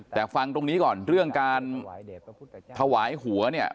แต่ฟังตรงนี้ก่อนเรื่องการถวายหัวเนี่ย